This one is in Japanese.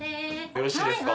よろしいですか？